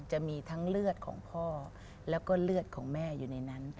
จะมีทั้งเลือดของพ่อแล้วก็เลือดของแม่อยู่ในนั้น